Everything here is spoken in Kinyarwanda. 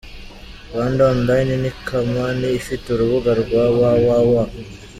Rwanda Online ni kampani ifite urubuga rwa www.